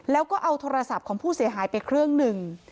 แล้วก็เอาโทรศัพท์ของผู้เสียหายไปเครื่องหนึ่ง